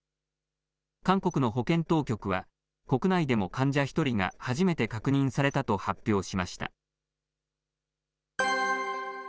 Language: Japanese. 韓国の保健当局は、国内でも患者１人が初めて確認されたと発表しました。